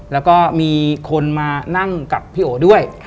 แล้วก็มีคนมานั่งกับพี่โอด้วย